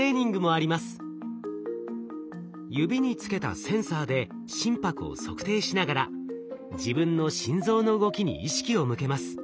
指につけたセンサーで心拍を測定しながら自分の心臓の動きに意識を向けます。